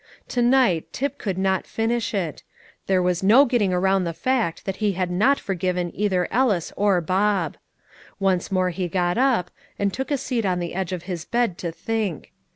To night Tip could not finish it; there was no getting around the fact that he had not forgiven either Ellis or Bob. Once more he got up, and took a seat on the edge of his bed to think.